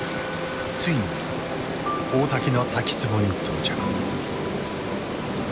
ついに大滝の滝つぼに到着。